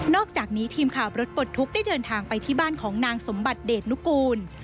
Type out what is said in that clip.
อกจากนี้ทีมข่าวรถปลดทุกข์ได้เดินทางไปที่บ้านของนางสมบัติเดชนุกูล